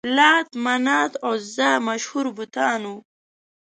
لات، منات، عزا مشهور بتان وو.